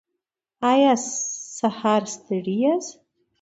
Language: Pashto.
ایا سهار ستړي یاست؟